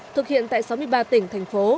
thực hiện tại sáu mươi ba tỉnh thành phố